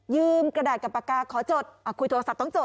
กระดาษกับปากกาขอจดคุยโทรศัพท์ต้องจด